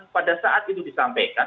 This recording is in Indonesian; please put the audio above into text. pada saat itu disampaikan